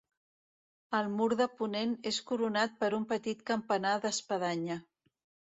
El mur de ponent és coronat per un petit campanar d'espadanya.